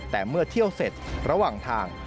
แต่เมื่อเที่ยวเสร็จระหว่างทาง